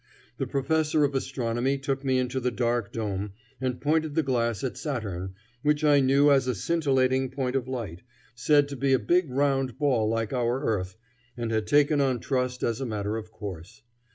The professor of astronomy took me into the dark dome and pointed the glass at Saturn, which I knew as a scintillating point of light, said to be a big round ball like our earth, and had taken on trust as a matter of course.